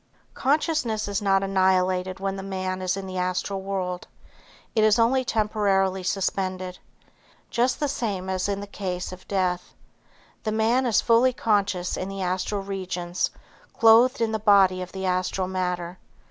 Consciousness is not annihilated when the man is in the Astral world, it is only temporarily suspended. Just the same as in the case of death. The man is fully conscious in the astral regions clothed in the body of the Astral matter.